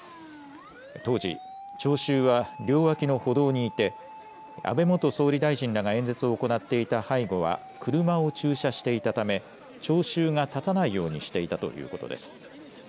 当時、聴衆は両脇の歩道にいて安倍元総理大臣らが演説を行っていた背後は車を駐車していたため聴衆が立たないようにしていたということです。